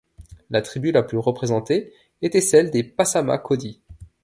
La tribu la plus représentée était celle des Passamaquoddy.